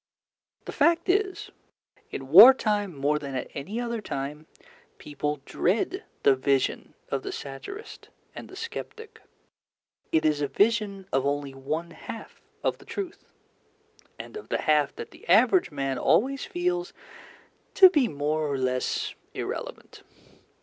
The fact is, in war time more than at any other time, people dread the vision of the satirist and the sceptic. It is a vision of only one half of the truth, and of the half that the average man always feels to be more or less irrelevant.